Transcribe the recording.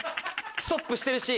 ストップしてるし。